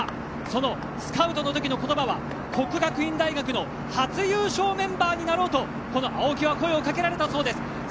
そのスカウトの時の言葉は國學院大學の初優勝メンバーになろうとこの青木は声をかけられたそうです。